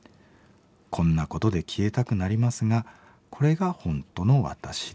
こんなことで消えたくなりますがこれが本当の私です」。